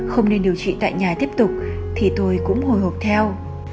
không nên điều trị tại nhà tiếp tục thì tôi cũng hồi hộp theo